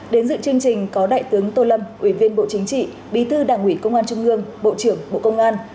đến dự chương trình có đại tướng tô lâm ủy viên bộ chính trị bí thư đảng ủy công an trung ương bộ trưởng bộ công an